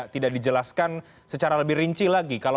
tidak dijelaskan secara lebih rinci lagi